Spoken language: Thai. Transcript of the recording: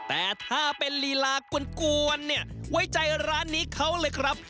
แต่ถ้าเป็นลีลากวนเนี่ยไว้ใจร้านนี้เขาเลยครับ